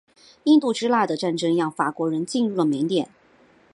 印度支那的战争让法国人进入了缅甸。